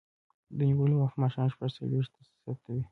د نیولو وخت ماښام شپږ څلویښت ثبتوي.